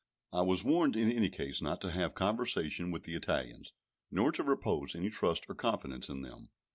I was warned in any case not to have conversation with the Italians, nor to repose any trust or confidence in them.